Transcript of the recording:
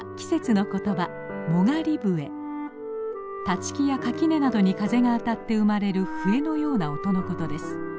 立ち木や垣根などに風が当たって生まれる笛のような音のことです。